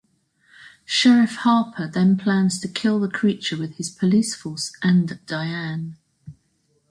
Sheriff Harper then plans to kill the creature with his police force and Diane.